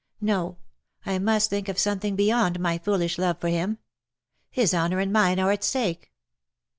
No, I must think of something beyond my foolish love for him. His honour and mine are at stake.